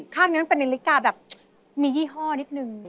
ข้างนี้มันเป็นนาฬิกาแบบมียี่ห้อนิดนึง